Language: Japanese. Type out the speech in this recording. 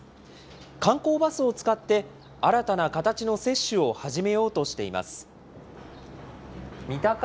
観光バスを使って、新たな形の接種を始めようとしています。